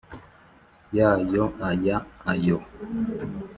ya yo aya ayo